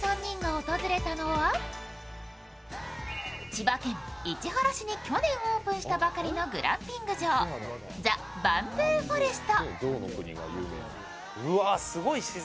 千葉県市原市に去年オープンしたばかりのグランピング場、ＴＨＥＢＡＭＢＯＯＦＯＲＥＳＴ。